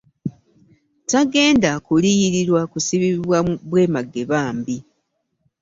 Tagenda kuliyirirwa kusibibwa bwemage bambi.